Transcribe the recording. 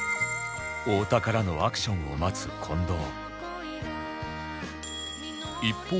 太田からのアクションを待つ近藤